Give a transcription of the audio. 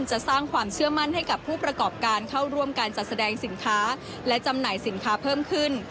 จะสร้างความเชื่อมั่นให้กับผู้ประกอบการเข้าร่วมการจัดแสดงสินค้าและจำหน่ายสินค้าเพิ่มขึ้น